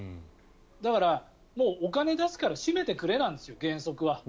だから、もうお金を出すから閉めてくれなんですよ、原則は。